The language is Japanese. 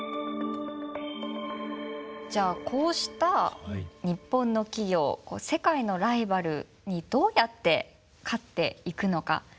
じゃあこうした日本の企業世界のライバルにどうやって勝っていくのか。